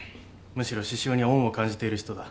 むしろ獅子雄に恩を感じている人だ。